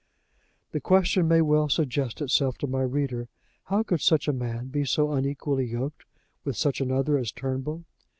The question may well suggest itself to my reader How could such a man be so unequally yoked with such another as Turnbull?